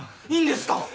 いいんですか？